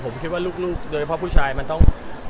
ผมคิดว่าลูกโดยเฉพาะผู้ชายมันต้อง